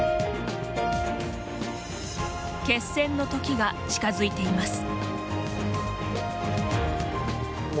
決戦の時が近づいています。